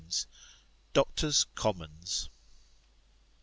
DOCTORS' COMMONS.